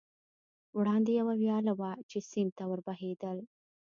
وړاندې یوه ویاله وه، چې سیند ته ور بهېدل.